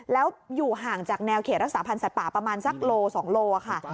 แล้วอยู่ห่างจากแนวเขตรักษาพันธ์สัตว์ป่าประมาณสักโล๒โลค่ะ